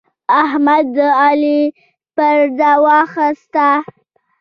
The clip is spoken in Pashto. احمد د علي پرده واخيسته.